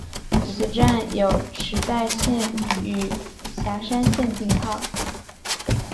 此站有池袋线与狭山线停靠。